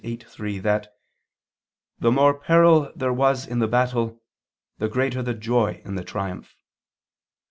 viii, 3) that "the more peril there was in the battle, the greater the joy in the triumph."